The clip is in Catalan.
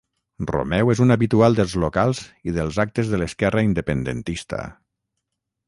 Romeu és un habitual dels locals i dels actes de l'esquerra independentista.